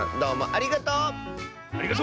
ありがとう！